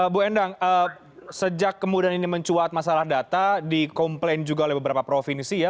bu endang sejak kemudian ini mencuat masalah data di komplain juga oleh beberapa provinsi ya